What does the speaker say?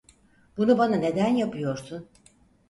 Bunu bana neden yapıyorsun?